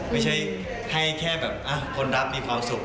ไม่ใช่ให้แค่แบบคนรักมีความสุข